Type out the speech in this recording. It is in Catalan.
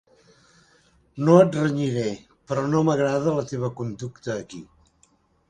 No et renyiré, però no m'agrada la teva conducta aquí.